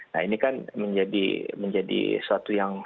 nah ini kan menjadi suatu yang